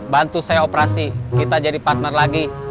bantu saya operasi kita jadi partner lagi